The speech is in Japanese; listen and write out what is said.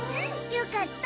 よかった！